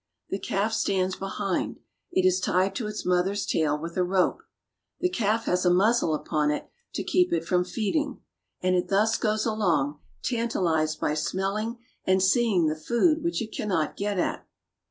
The calf stands behind ; it is tied to its mother's tail with a rope. The calf has a muzzle upon it to keep it from feed ing, and it thus goes along, tantalized by smelling and see In the Country. ing the food which it cannot get at.